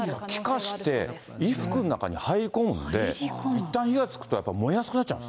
気化して衣服の中に入り込むんで、いったん火がつくと、やっぱり燃えやすくなっちゃう。